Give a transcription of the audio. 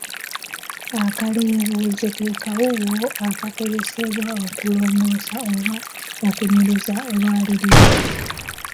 Akaleebuuzo ke kawuuwo akakozesebwa okulongoosa oba okunyiriza olwaliriro.